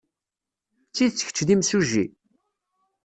D tidet kečč d imsujji?